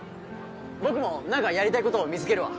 僕も何かやりたいこと見つけるわ。